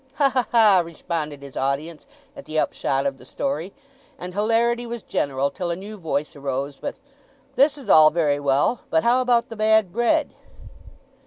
"Ha ha ha!" responded his audience at the upshot of the story; and hilarity was general till a new voice arose with, "This is all very well; but how about the bad bread?"